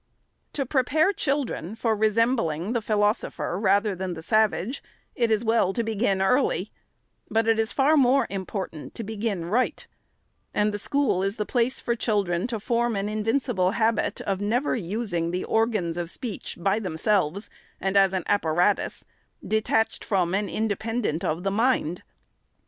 To prepare children for resembling the philosopher, rather than the savage, it is well to begin early, but it is far more important to begin right ; and the school is the place for children to form an invincible habit of never using the organs of speech, by themselves, and as an apparatus, detached from, and independent of, the mind.